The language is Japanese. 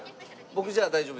僕じゃあ大丈夫です。